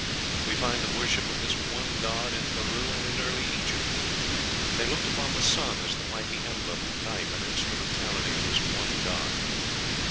We find the worship of this One God in Peru and in early Egypt. They looked upon the sun as the mighty emblem, type, and instrumentality of this One God.